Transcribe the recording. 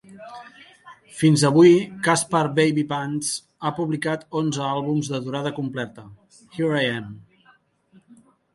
Fins avui, Caspar Babypants ha publicat onze àlbums de durada completa; Here I Am!